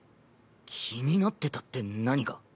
気になってたって何が？